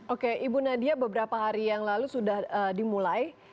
oke ibu nadia beberapa hari yang lalu sudah dimulai